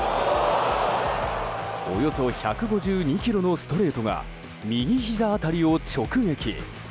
およそ１５２キロのストレートが右ひざ辺りを直撃。